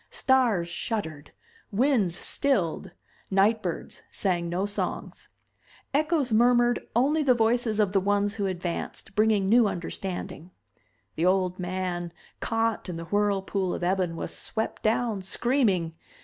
Stars shuddered. Winds stilled. Nightbirds sang no songs. Echoes murmured only the voices of the ones who advanced, bringing new understanding. The old man, caught in the whirlpool of ebon, was swept down, screaming.